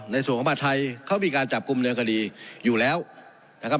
ในส่วนของผัดไทยเขามีการจับกลุ่มเนินคดีอยู่แล้วนะครับ